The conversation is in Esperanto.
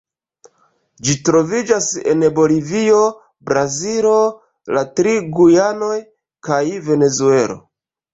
Ĝi troviĝas en Bolivio, Brazilo, la tri Gujanoj kaj Venezuelo.